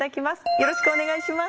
よろしくお願いします。